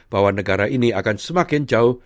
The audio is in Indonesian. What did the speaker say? bahwa negara ini akan semakin jauh